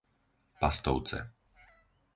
Pastovce